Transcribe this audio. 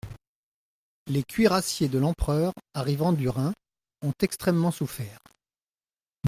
Les cuirassiers de l'empereur, arrivant du Rhin, ont extrêmement souffert.